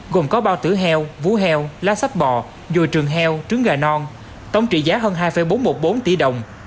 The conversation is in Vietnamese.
gồm có bao tử heo vú heo lá sách bò dồi trường heo trứng gà non tổng trị giá hơn hai bốn trăm một mươi bốn tỷ đồng